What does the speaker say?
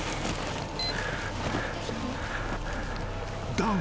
［だが］